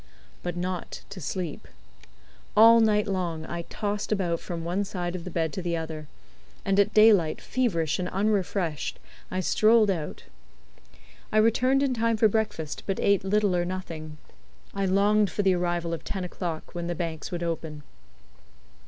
But not to sleep. All night long I tossed about from one side of the bed to the other; and at daylight, feverish and unrefreshed, I strolled out. I returned in time for breakfast, but ate little or nothing. I longed for the arrival of ten o'clock, when the banks would open.